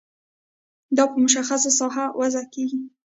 دا په مشخصه ساحه کې وضع کیږي.